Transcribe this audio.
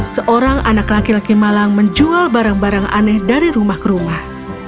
seorang anak laki laki malang menjual barang barang aneh dari rumah ke rumah